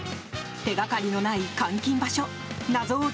手掛かりのない監禁場所捜索。